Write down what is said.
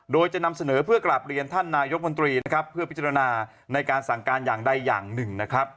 โดยจะนำเสนอเพื่อกราบเรียนท่านนายกมนตรีนะครับเพื่อพิจารณาในการสั่งการอย่างใดอย่างหนึ่งนะครับ